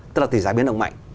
tức là tỉ giá biến động mạnh